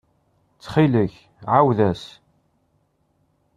Ttxil-k, ɛawed-as.